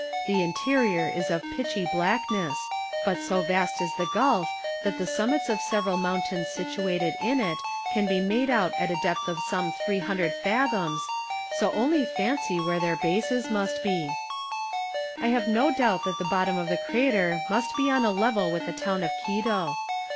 The interior is of pitchy blackness, but so vast is the gulf that the summits of several mountains situated in it can be made out at a depth of some 300 fathoms, so only fancy where their bases must be! "I have no doubt that the bottom of the crater must be on a level with the town of Quito.